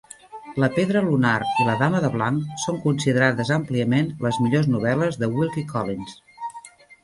"La pedra lunar" i "La dama de blanc" són considerades àmpliament les millors novel·les de Wilkie Collins.